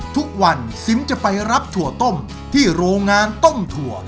ทุกวันซิมจะไปรับถั่วต้มที่โรงงานต้มถั่ว